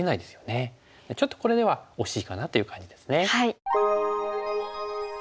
ちょっとこれでは惜しいかなという感じですね。